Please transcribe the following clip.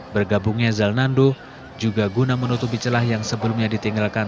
bergabungnya zalnando juga guna menutupi celah yang sebelumnya ditinggalkan